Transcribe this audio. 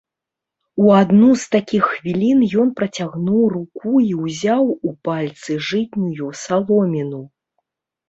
У адну з такіх хвілін ён працягнуў руку і ўзяў у пальцы жытнюю саломіну.